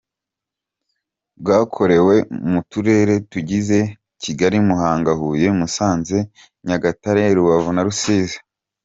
Bwakorewe mu turere tugize Kigali, Muhanga, Huye, Musanze, Nyagatare, Rubavu na Rusizi.